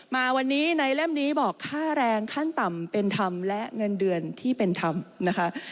มาวันนี้ในเล่มนี้บอกค่าแรงขั้นต่ำเป็นธรรมและเงินเดือนที่เป็นธรรมนะคะ